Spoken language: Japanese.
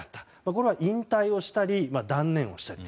これは引退をしたり断念をしたり。